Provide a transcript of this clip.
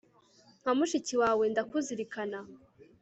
Nka mushiki wawe ndakuzirikana